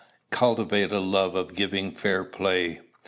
Cultivate a love of giving fair play.